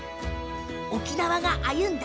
沖縄が歩んだ